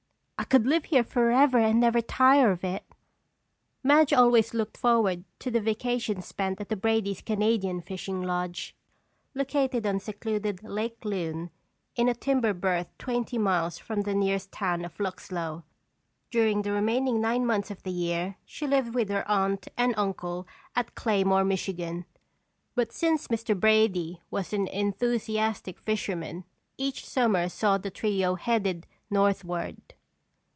"I could live here forever and never tire of it." Madge always looked forward to the vacations spent at the Brady's Canadian fishing lodge, located on secluded Lake Loon, in a timber berth twenty miles from the nearest town of Luxlow. During the remaining nine months of the year, she lived with her aunt and uncle at Claymore, Michigan, but since Mr. Brady was an enthusiastic fisherman, each summer saw the trio headed northward.